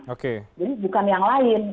jadi bukan yang lain